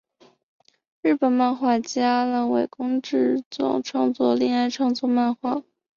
是日本漫画家濑尾公治创作的恋爱漫画作品。